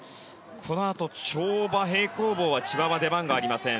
このあと跳馬、平行棒は千葉は出番がありません。